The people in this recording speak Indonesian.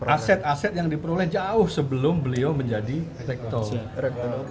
aset aset yang diperoleh jauh sebelum beliau menjadi rektor